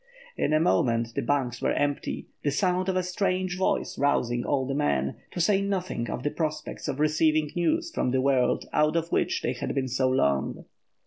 In a moment the bunks were empty, the sound of a strange voice rousing all the men, to say nothing of the prospect of receiving news from the world out of which they had been so long.